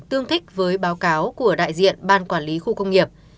tương thích với báo cáo của đại diện ban quản lý khu công nghiệp